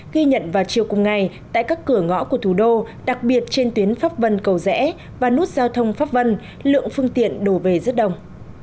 ghi nhận vào chiều cùng ngày tại các cửa ngõ của thủ đô đặc biệt trên tuyến pháp vân cầu rẽ và nút giao thông pháp vân lượng phương tiện đổ về rất đông